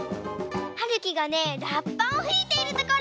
はるきがねらっぱをふいているところ！